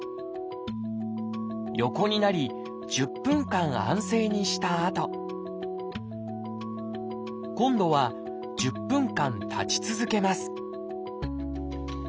横になり１０分間安静にしたあと今度は１０分間立ち続けます。